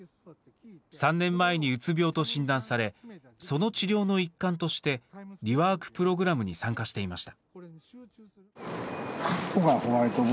３年前にうつ病と診断されその治療の一環としてリワークプログラムに参加していました。